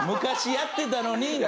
やってたのに。